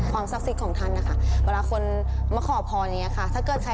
ความศักดิ์ซิคของท่านอะค่ะ